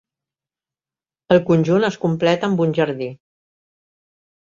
El conjunt es completa amb un jardí.